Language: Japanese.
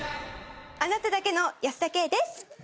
あなただけの保田圭です。